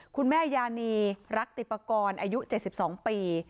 คุณแม่ยานีรักติปกรณ์อายุ๗๒ปี